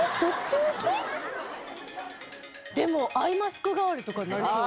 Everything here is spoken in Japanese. でもアイマスク代わりとかになりそう。